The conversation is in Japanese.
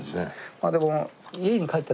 まあでも。